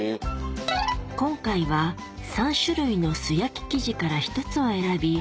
今回は３種類の素焼き生地から１つを選び